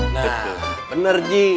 nah bener ji